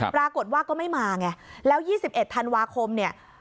ปรากฏว่าก็ไม่มาไงแล้ว๒๑ธันวาคมเนี่ย